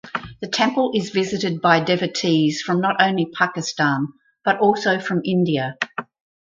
The temple is visited by devotees from not only Pakistan but also from India.